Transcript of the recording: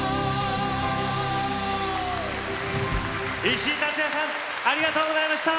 石井竜也さんありがとうございました！